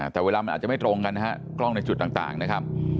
แต่เวลามันอาจจะไม่ตรงกันนะฮะกล้องในจุดต่างนะครับ